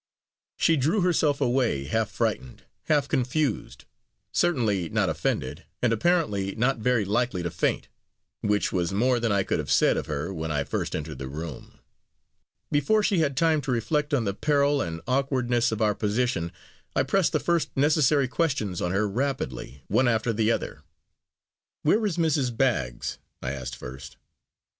She drew herself away half frightened, half confused certainly not offended, and, apparently, not very likely to faint which was more than I could have said of her when I first entered the room. Before she had time to reflect on the peril and awkwardness of our position, I pressed the first necessary questions on her rapidly, one after the other. "Where is Mrs. Baggs?" I asked first. Mrs.